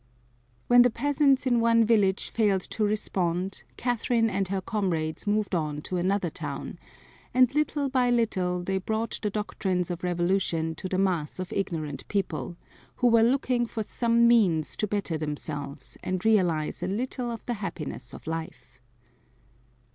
When the peasants in one village failed to respond Catherine and her comrades moved on to another town, and little by little they brought the doctrines of revolution to the mass of ignorant people, who were looking for some means to better themselves and realize a little of the happiness of life.